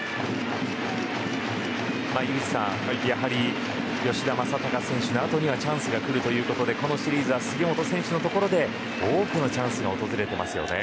井口さん、やはり吉田正尚のあとにはチャンスが来るということでこのシリーズは杉本選手のところで多くのチャンスが訪れていますね。